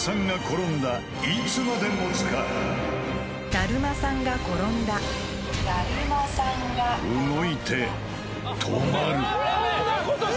・だるまさんが転んだ・動いて止まる